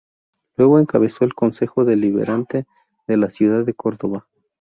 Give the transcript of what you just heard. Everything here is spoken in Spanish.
Luego encabezó el Concejo Deliberante de la ciudad de Córdoba.